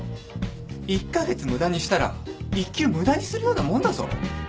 １カ月無駄にしたら１級無駄にするようなもんだぞ。